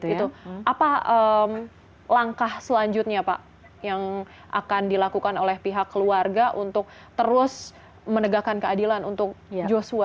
itu apa langkah selanjutnya pak yang akan dilakukan oleh pihak keluarga untuk terus menegakkan keadilan untuk joshua